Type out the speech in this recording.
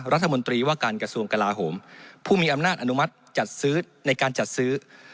รัฐมนตรีว่าการกระทรวงกลาโหมผู้มีอำนาจอนุมัติจัดซื้อในการจัดซื้อ